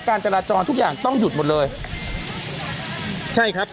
ทางกลุ่มมวลชนทะลุฟ้าทางกลุ่มมวลชนทะลุฟ้า